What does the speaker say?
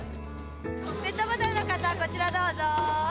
ペットボトルの方こちらどうぞ。